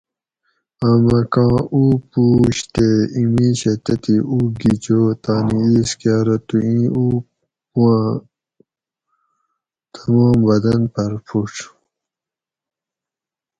آمہ کاں اوُ پوُش تے ایں میِشہ تتھی اوُ گیچو تانی ایس کہۤ ارو تو ایں اوُ پواۤں تمام بدن پھر پھُڛ